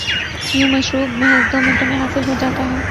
یوں مشروب محض دومنٹوں میں حاصل ہوجاتا ہے۔